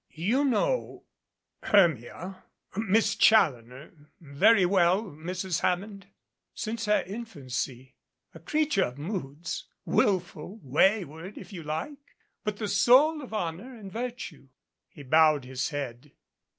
"You know Hermia Miss Challoner very well, Mrs. Hammond ?" "Since her infancy a creature of moods willful, wayward, if you like but the soul of honor and virtue." He bowed his head.